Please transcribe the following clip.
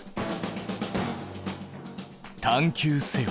探究せよ！